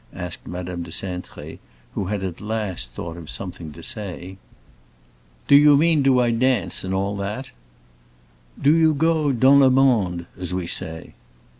asked Madame de Cintré, who had at last thought of something to say. "Do you mean do I dance, and all that?" "Do you go dans le monde, as we say?"